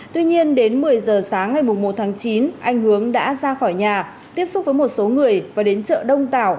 tuy nhiên đến một mươi giờ sáng ngày một tháng chín anh hướng đã ra khỏi nhà tiếp xúc với một số người và đến chợ đông tảo